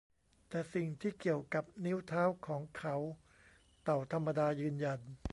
แต่สิ่งที่เกี่ยวกับนิ้วเท้าของเขา เต่าธรรมดายืนยัน